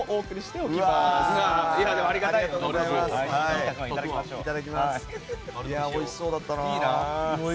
おいしそうだったな。